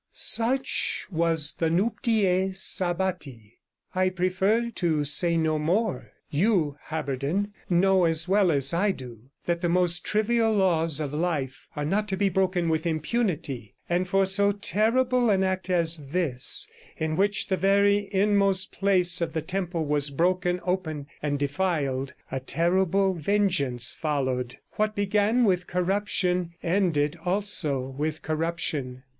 Such was the nuptice Sabbati. 'I prefer to say no more; you, Haberden, know as well as I do that the most trivial laws of life are not to be broken with impunity; and for so terrible an act as this, in which the very inmost place of the temple was broken open and defiled, a terrible vengeance followed. What began with corruption ended also with corruption.'